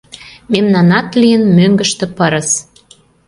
Мемнанат лийын мӧҥгыштӧ пырыс.